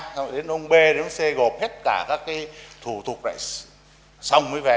xong rồi đến ông b xong rồi đến ông c gộp hết cả các thủ tục này xong mới về